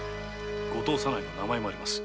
後藤左内の名前もあります。